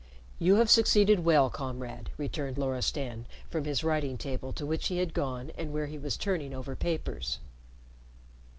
"You have succeeded well, Comrade!" returned Loristan, from his writing table, to which he had gone and where he was turning over papers.